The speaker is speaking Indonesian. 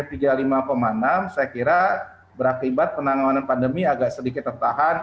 saya kira berakibat penanganan pandemi agak sedikit tertahan